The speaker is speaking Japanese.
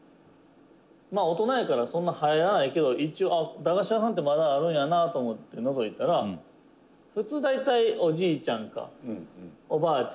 「大人やからそんな入らないけど駄菓子屋さんってまだあるんやなと思ってのぞいたら普通、大体、おじいちゃんかおばあちゃんか」